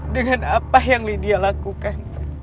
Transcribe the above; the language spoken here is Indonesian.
dengan apa yang lydia lakukan